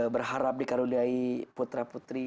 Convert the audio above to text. berharap dikarudai putra putri